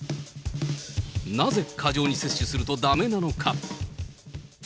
なぜ過剰に摂取するとだめなのか。